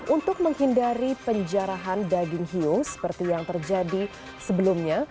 untuk menghindari penjarahan daging hiung seperti yang terjadi sebelumnya